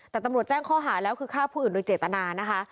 แต่ตำรวจแจ้งข้อหาแล้วคือฆ่าผู้อื่นโดยเจตนานะคะ